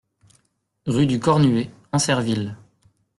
Rue du Cornuet, Ancerville